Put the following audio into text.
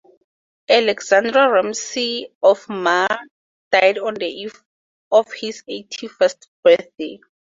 Alexander Ramsay of Mar died on the eve of his eighty-first birthday.